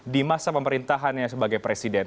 di masa pemerintahannya sebagai presiden